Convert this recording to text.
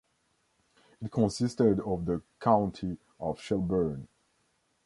It consisted of the County of Shelburne.